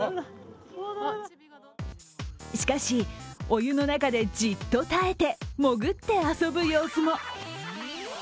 しかし、お湯の中でじっと耐えて潜って遊ぶ様子も。